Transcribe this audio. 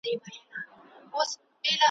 شپه به ځي بلال به واورو زه سهار په سترګو وینم `